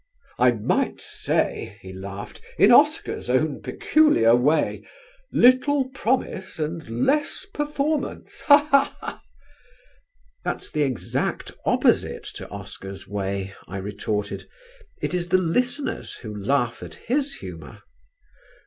"I might say," he laughed, "in Oscar's own peculiar way, 'Little promise and less performance.' Ha! ha! ha!" "That's the exact opposite to Oscar's way," I retorted. "It is the listeners who laugh at his humour."